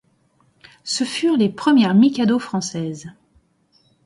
Ce furent les premières Mikados françaises.